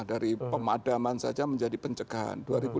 dari pemadaman saja menjadi pencegahan